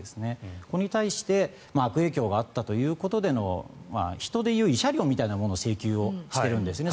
ここに対して悪影響があったということでの人で言う慰謝料みたいなものの請求をしているんですね